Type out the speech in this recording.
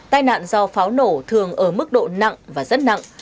tai nạn do pháo nổ thường ở mức độ nặng và rất nặng